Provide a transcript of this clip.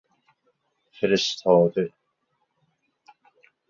فرستاده